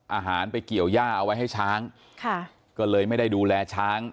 อาหารไปเกี่ยวย่าเอาไว้ให้ช้างค่ะก็เลยไม่ได้ดูแลช้าง